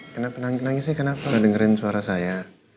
kenapa nangis kenapa dengerin suara saya